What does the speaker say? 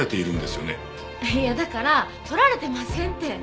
いやだから盗られてませんって。